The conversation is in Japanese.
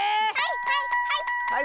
はいはいはい！